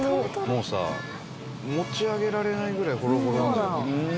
もうさ持ち上げられないぐらいホロホロなんだよ